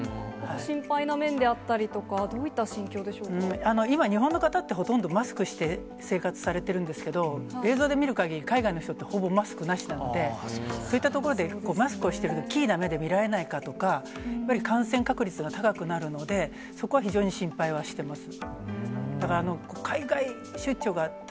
心配な面であったりとか、今、日本の方ってほとんどマスクして生活されてるんですけど、映像で見るかぎり、海外の人って、ほぼマスクなしなので、そういったところで、マスクをしてると奇異な目で見られないかとか、やっぱり感染確率が高くなるので、そこは非常に心配はしてます。